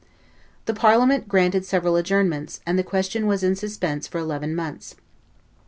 The Parliament granted several adjournments, and the question was in suspense for eleven months.